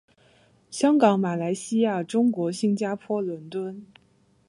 香港马来西亚中国新加坡伦敦